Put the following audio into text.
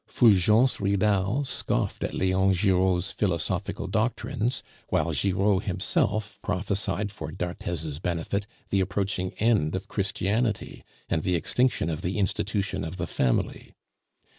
Fulgence Ridal scoffed at Leon Giraud's philosophical doctrines, while Giraud himself prophesied for d'Arthez's benefit the approaching end of Christianity and the extinction of the institution of the family.